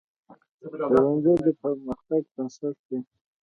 ښوونځی د پرمختګ بنسټ دی